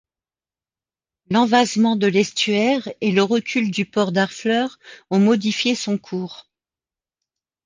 L'envasement de l'estuaire et le recul du port d'Harfleur ont modifié son cours.